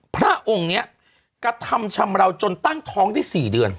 พระองค์นี้กระทำชำราวจนตั้งท้องได้๔เดือน